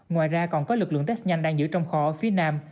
ngoài ra còn có lực lượng test nhanh đang giữ trong khóa phía nam